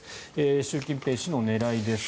習近平氏の狙いです。